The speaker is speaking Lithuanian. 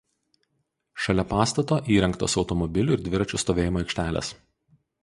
Šalia pastato įrengtos automobilių ir dviračių stovėjimo aikštelės.